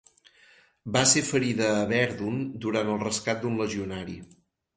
Va ser ferida a Verdun durant el rescat d'un legionari.